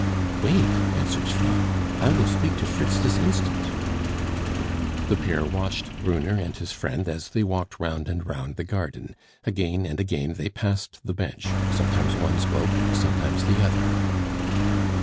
"Wait!" answered Schwab; "I will speak to Fritz this instant." The pair watched Brunner and his friend as they walked round and round the garden; again and again they passed the bench, sometimes one spoke, sometimes the other.